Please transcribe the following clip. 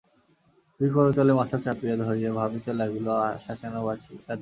দুই করতলে মাথা চাপিয়া ধরিয়া ভাবিতে লাগিল, আশা কেন কাঁদিবে।